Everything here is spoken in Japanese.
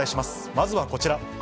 まずはこちら。